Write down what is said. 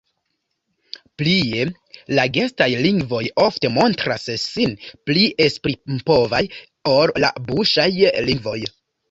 Plie, la gestaj lingvoj ofte montras sin pli esprimpovaj ol la buŝaj lingvoj.